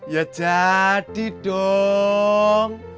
ya jadi dong